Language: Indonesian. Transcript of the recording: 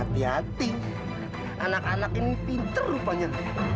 hati hati anak anak ini pinter rupanya